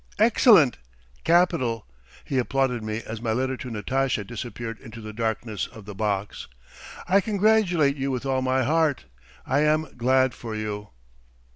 "'Excellent! Capital!' he applauded me as my letter to Natasha disappeared into the darkness of the box. 'I congratulate you with all my heart. I am glad for you.'